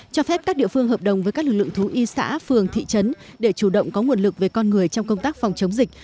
cho phép các địa phương hợp đồng với các lực lượng thú y xã phường thị trấn để chủ động có nguồn lực về con người trong công tác phòng chống dịch